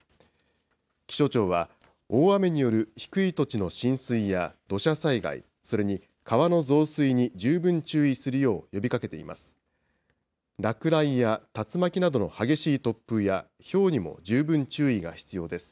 気象庁は、大雨による低い土地の浸水や土砂災害、それに川の増水に十分注意するよう呼びかけています。